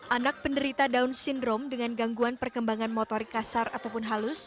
anak penderita down syndrome dengan gangguan perkembangan motorik kasar ataupun halus